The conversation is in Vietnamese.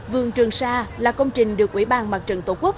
vườn trường sa là công trình được ủy ban mặt trận tổ quốc